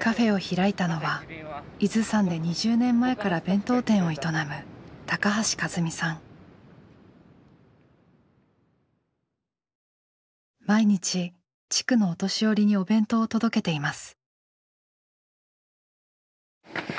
カフェを開いたのは伊豆山で２０年前から弁当店を営む毎日地区のお年寄りにお弁当を届けています。